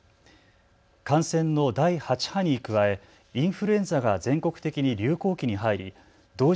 感染の第８波に加えインフルエンザが全国的に流行期に入り同時